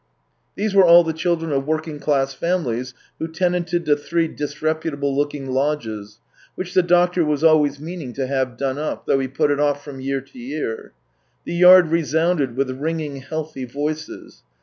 These were all the children of working class families who tenanted the three disreputable looking lodges, which the doctor was always meaning to have done up, though he put it off from year to year. The yard resounded with ringing, healthy voices.